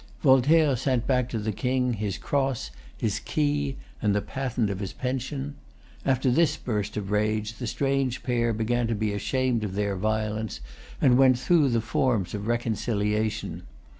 Voltaire sent back to the King his cross, his key, and the patent of his pension. After this burst of rage, the strange pair began to be ashamed of their violence, and went through the forms of reconciliation.